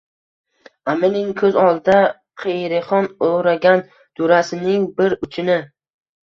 Аmirning koʼz oldida qiyrixon oʼragan durrasining bir uchini